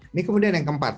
ini kemudian yang keempat